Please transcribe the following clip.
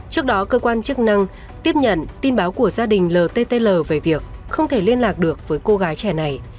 trước đó cơ quan chức năng tiếp nhận tin báo của gia đình lt về việc không thể liên lạc được với cô gái trẻ này